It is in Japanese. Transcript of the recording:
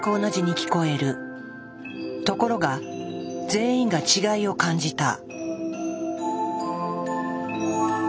ところが全員が違いを感じた。